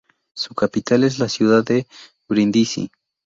Su capital es la ciudad de Brindisi.